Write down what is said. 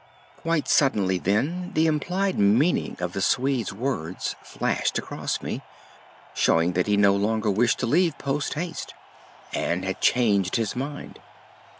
Quite suddenly then the implied meaning of the Swede's words flashed across me, showing that he no longer wished to leave post haste, and had changed his mind.